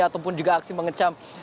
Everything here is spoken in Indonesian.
ataupun juga aksi mengecam